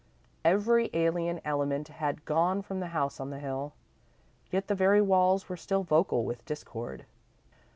Every alien element had gone from the house on the hill, yet the very walls were still vocal with discord.